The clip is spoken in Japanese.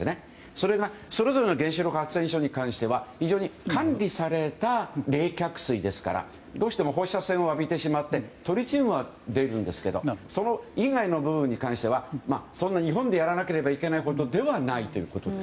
それが、それぞれの原子力発電所に関しては非常に管理された冷却水ですからどうしても放射線を浴びてしまってトリチウムは出るんですけどそれ以外の部分に関してはそんな日本でやらなければいけないことほどではないということです。